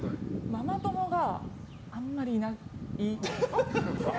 ママ友があんまりいない。